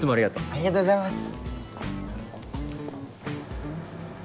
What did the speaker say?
ありがとうございます。